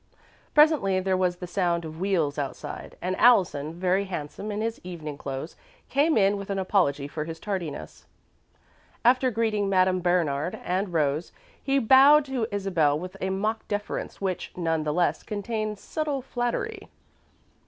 Presently there was the sound of wheels outside, and Allison, very handsome in his evening clothes, came in with an apology for his tardiness. After greeting Madame Bernard and Rose, he bowed to Isabel, with a mock deference which, none the less, contained subtle flattery.